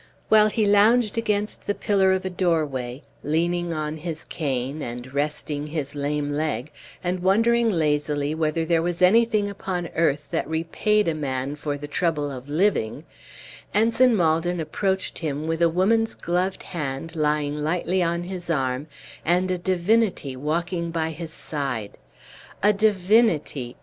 While he lounged against the pillar of a doorway, leaning on his cane, and resting his lame leg, and wondering lazily whether there was anything upon earth that repaid a man for the trouble of living, Ensign Maldon approached him with a woman's gloved hand lying lightly on his arm, and a divinity walking by his side. A divinity!